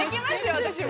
私も。